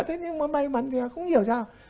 thế nhưng mà may mắn thì không hiểu sao